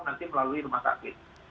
nanti melalui rumah sakit